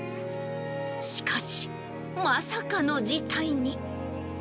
しかし、まさかの事態に。